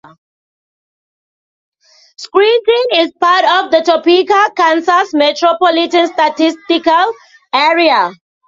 Scranton is part of the Topeka, Kansas Metropolitan Statistical Area.